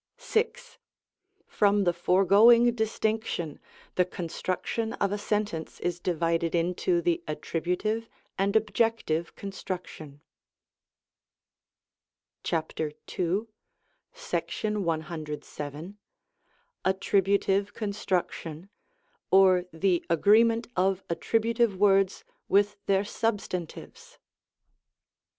6. Prom the foregoing distinction, the construction of a sentence is divided into the attributive and ob jective construction. •♦•■ CHAPTER II. §107. Attributive Construction, or the Agree ment OF Attributive Words with THEIR Substantives.